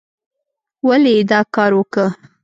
ولې یې دا کار وکه؟